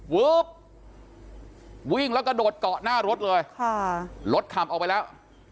วึ๊บวิ่งแล้วกระโดดเกาะหน้ารถเลยค่ะรถขับออกไปแล้ว